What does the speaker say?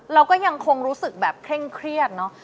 เราก็ยังคงรู้สึกแบบเคร่งเครียดเนอะ